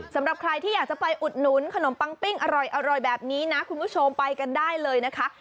สำหรับใครที่อยากจะไปอุดหนุนขนมปังปิ้งอร่อยแบบนี้นะคุณผู้ชมไปกันได้เลยนะคะ